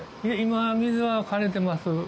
いえ今水はかれてます